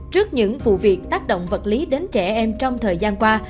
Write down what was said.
trước những vụ việc tác động vật lý đến trẻ em trong thời gian qua